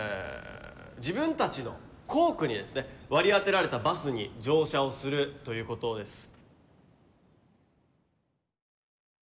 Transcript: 自分たちの校区にですね割り当てられたバスに乗車をするということです。